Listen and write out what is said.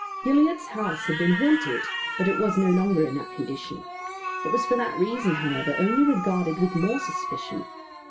Gilliatt's house had been haunted, but it was no longer in that condition; it was for that reason, however, only regarded with more suspicion.